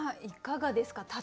いかがですか？